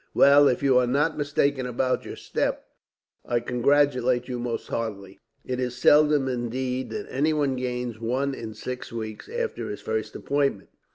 "Well, if you are not mistaken about your step, I congratulate you most heartily. It is seldom, indeed, that anyone gains one in six weeks after his first appointment.